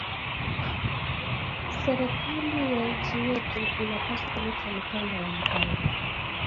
Serkali wa inchi yetu ana pashwa ku leta mikanda ya mpango